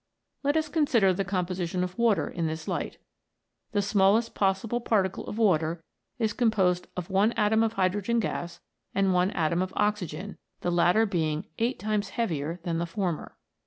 Let us consider the composition of water in this light. The smallest possible particle of water is composed of one atom of hydrogen gas and one atom of oxygen, the latter being eight times heavier than the former.